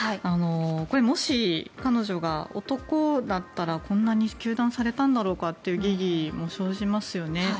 これ、もし彼女が男だったらこんなに糾弾されたんだろうかという疑義も生じますよね。